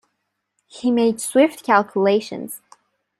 He made swift calculations.